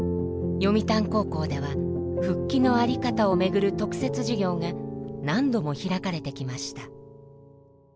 読谷高校では復帰の在り方をめぐる特設授業が何度も開かれてきました。